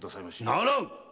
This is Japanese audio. ならん！